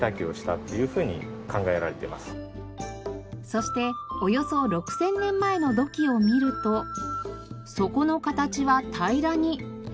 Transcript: そしておよそ６０００年前の土器を見ると底の形は平らに。